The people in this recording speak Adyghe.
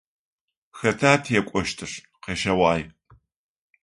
Хэта текӏощтыр? Къэшӏэгъуае.